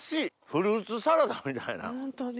フルーツサラダみたいな。